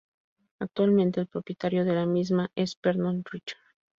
Actualmente el propietario de la misma es Pernod Ricard.